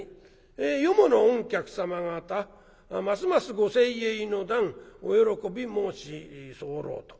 『よもの御客様方ますますご清栄の段お喜び申し候』と。